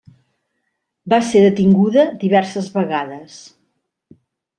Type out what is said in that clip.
Va ser detinguda diverses vegades.